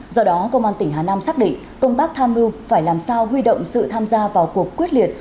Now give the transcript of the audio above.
do đó công an tỉnh hà nam xác định công tác tham mưu phải làm sao huy động sự tham gia vào cuộc quyết liệt